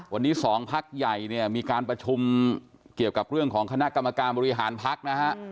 วันนี้สองพักใหญ่เนี่ยมีการประชุมเกี่ยวกับเรื่องของคณะกรรมการบริหารพักนะฮะ